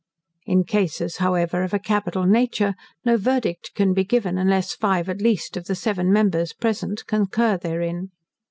In cases, however, of a capital nature, no verdict can be given, unless five, at least, of the seven members present concur therein.